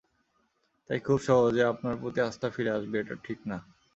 তাই খুব সহজে আপনার প্রতি আস্থা ফিরে আসবে, এটা ঠিক না।